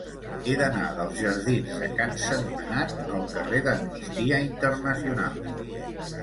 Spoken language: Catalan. He d'anar dels jardins de Can Sentmenat al carrer d'Amnistia Internacional.